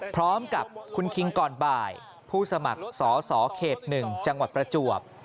พร้อมกับคุณคิงก่อนบ่ายผู้สมัครสอสอเขต๑จังหวัดประจวบ